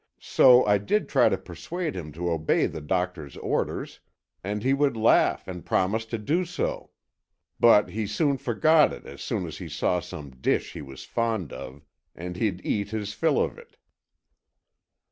So I did try to persuade him to obey the doctor's orders, and he would laugh and promise to do so. But he forgot it as soon as he saw some dish he was fond of, and he'd eat his fill of it."